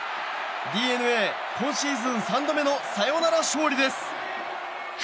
ＤｅＮＡ、今シーズン３度目のサヨナラ勝利です。